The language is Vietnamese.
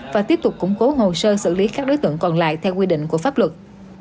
và tiếp tục củng cố hồ sơ xử lý các đối tượng còn lại theo quy định của pháp luật